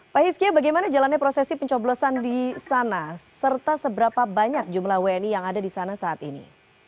pak hiskia bagaimana jalannya prosesi pencoblosan di sana serta seberapa banyak jumlah wni yang ada di sana saat ini